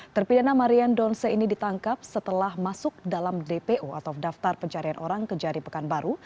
terpidana marian donce ini ditangkap setelah masuk dalam dpo atau daftar pencarian orang ke jari pekanbaru